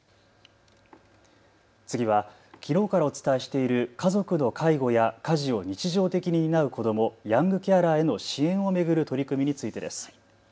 次はきのうからお伝えしている家族の介護や家事を日常的に担う子ども、ヤングケアラーへの支援を巡る取り組みについてです。